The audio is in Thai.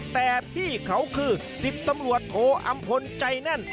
แต่พี่เขาคือ๑๐ตำรวจโทอำพลใจแน่น